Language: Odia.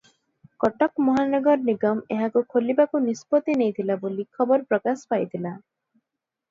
କଟକ ମହାନଗର ନିଗମ ଏହାକୁ ଖୋଲିବାକୁ ନିଷ୍ପତ୍ତି ନେଇଥିଲା ବୋଲି ଖବର ପ୍ରକାଶ ପାଇଥିଲା ।